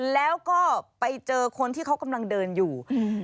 แล้วก็ไปเจอคนที่เขากำลังเดินอยู่อืม